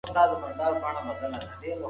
د بریا راز په دوامداره هڅه کي دی.